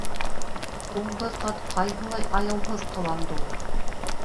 Һуңғы ҡат ҡайһылай аяуһыҙ ҡыланды ул!